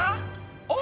おっ！